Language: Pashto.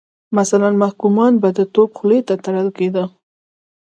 مثلا محکومان به د توپ خولې ته تړل کېدل.